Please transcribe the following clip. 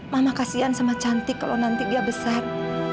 mama kasihan sama cantik kalau nanti dia besar